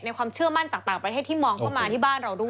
ความเชื่อมั่นจากต่างประเทศที่มองเข้ามาที่บ้านเราด้วย